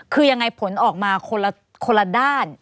คือยังไงผลออกมาคนละด้าน